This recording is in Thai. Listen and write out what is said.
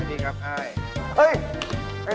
๙โ้งเช้า